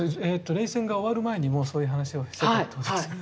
冷戦が終わる前にもうそういう話をしてたってことですね。